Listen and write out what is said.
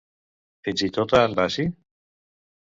Fins i tot a en Basi?